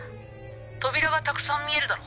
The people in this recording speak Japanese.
扉がたくさん見えるだろ？